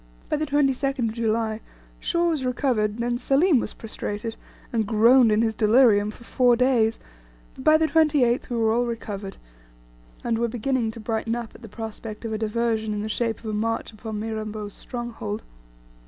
By the 22nd July Shaw was recovered, then Selim was prostrated, and groaned in his delirium for four days, but by the 28th we were all recovered, and were beginning to brighten up at the prospect of a diversion in the shape of a march upon Mirambo's stronghold.